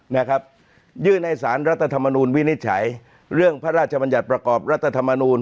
นะครับยื่นให้สารรัฐธรรมนูลวินิจฉัยเรื่องพระราชบัญญัติประกอบรัฐธรรมนูล